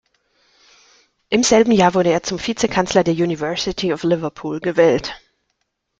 Im selben Jahr wurde er zum Vize-Kanzler der University of Liverpool gewählt.